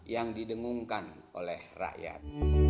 yang didengungkan oleh rakyat